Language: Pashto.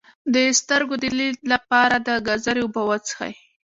د سترګو د لید لپاره د ګازرې اوبه وڅښئ